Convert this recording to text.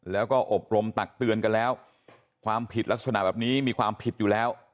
แล้วก็อบรมตักเตือนกันแล้วความผิดลักษณะแบบนี้มีความผิดอยู่แล้ว